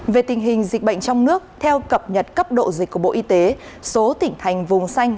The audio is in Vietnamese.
về tình hình dịch bệnh trong nước theo cập nhật cấp độ dịch của bộ y tế số tỉnh thành vùng xanh